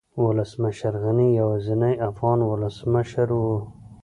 ولسمشر غني يوازينی افغان ولسمشر و